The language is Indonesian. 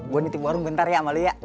gue nitip warung bentar ya sama luya